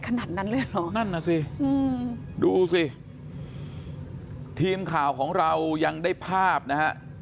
ขนาดนั้นเลยหรอดูสิทีมข่าวของเรายังได้ภาพนะ